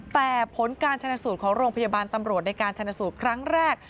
แต่ผลการชนสูตรของโรงพยาบาลตำรวจในการชนสูตรครั้งแรก